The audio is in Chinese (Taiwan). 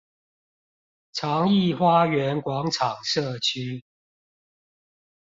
長億花園廣場社區